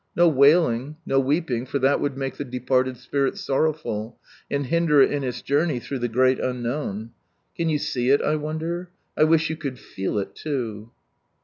No wailing, no weeping, for that would make the departed spirit sorrowful, and hinder it in its journey through the great unknown. Can you see it, I wonder? I wish you could /«<■/ it, too